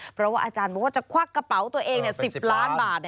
เพราะว่าอาจารย์บอกว่าจะควักกระเป๋าตัวเอง๑๐ล้านบาท